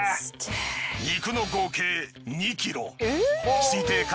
肉の合計２ｋｇ。